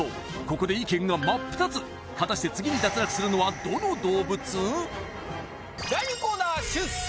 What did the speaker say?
ここで意見が真っ二つ果たして次に脱落するのはどの動物？